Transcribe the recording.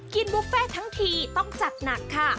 บุฟเฟ่ทั้งทีต้องจัดหนักค่ะ